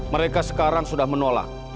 mereka sekarang sudah menolak